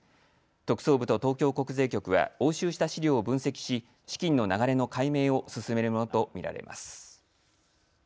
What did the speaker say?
特捜部と東京国税局は押収した資料を分析し資金の流れの解明を進めるものと見られます。